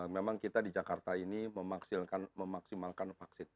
memang kita di jakarta ini memaksimalkan vaksin